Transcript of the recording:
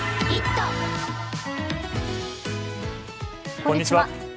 こんにちは。